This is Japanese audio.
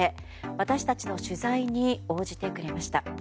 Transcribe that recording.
私たちの取材に応じてくれました。